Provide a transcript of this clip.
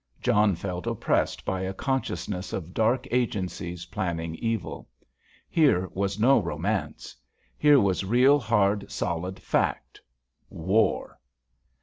John felt oppressed by a consciousness of dark agencies planning evil. Here was no romance. Here was real, hard, solid fact; War.